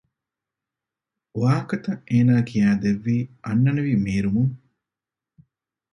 ވާހަކަތައް އޭނާ ކިޔައިދެއްވީ އަންނަނިވި މޭރުމުން